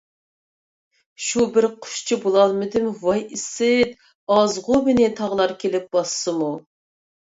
شۇ بىر قۇشچە بولالمىدىم ۋاي ئىسىت، ئازغۇ مېنى تاغلار كېلىپ باسسىمۇ.